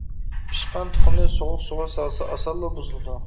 پىشقان تۇخۇمنى سوغۇق سۇغا سالسا، ئاسانلا بۇزۇلىدۇ.